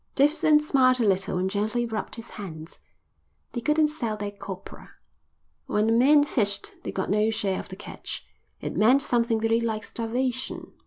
Davidson smiled a little and gently rubbed his hands. "They couldn't sell their copra. When the men fished they got no share of the catch. It meant something very like starvation.